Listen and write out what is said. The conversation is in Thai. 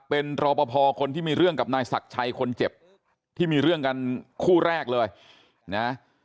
เป็นรอปภคนที่มีเรื่องกับนายศักดิ์ชัยคนเจ็บที่มีเรื่องกันคู่แรกเลยนะ